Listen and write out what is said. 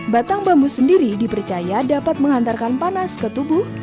batang bambu sendiri dipercaya dapat menghantarkan panas ke tubuh